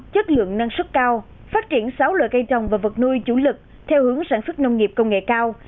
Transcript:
chất lượng năng suất cao phát triển sáu loại cây trồng và vật nuôi chủ lực theo hướng sản xuất nông nghiệp công nghệ cao